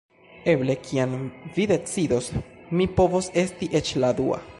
Eble kiam vi decidos, mi povos esti eĉ la dua